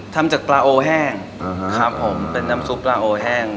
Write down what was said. ทำจากปลาโอแห้งครับผมเป็นน้ำซุปปลาโอแห้ง